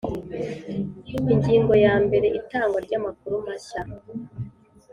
Ingingo ya mbere Itangwa ry amakuru mashya